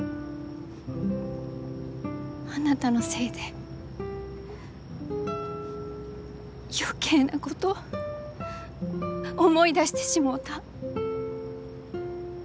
あなたのせいで余計なこと思い出してしもうた。